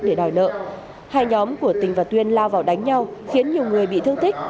để đòi nợ hai nhóm của tình và tuyên lao vào đánh nhau khiến nhiều người bị thương tích